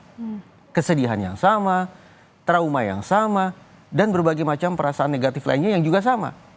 sehingga korban sekunder ini bisa merasakan ketakutan yang sama kesedihan yang sama trauma yang sama dan berbagai macam perasaan negatif lainnya yang juga sama